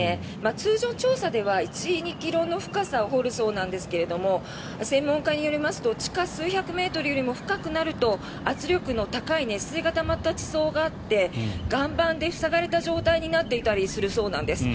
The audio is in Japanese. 通常、調査では１２ｋｍの深さを掘るそうなんですが専門家によりますと地下数百メートルよりも深くなると圧力の高い熱水がたまった地層があって岩盤で塞がれた状態になっていたりするそうなんです。